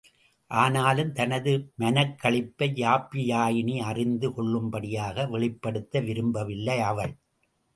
ஆனாலும் தனது மனக்களிப்பை யாப்பியாயினி அறிந்து கொள்ளும்படியாக வெளிப்படுத்த விரும்பவில்லை அவள்.